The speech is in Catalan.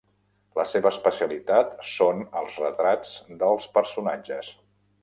La seva especialitat són els retrats dels personatges.